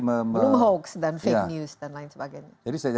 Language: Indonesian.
belum hoax dan fake news dan lain sebagainya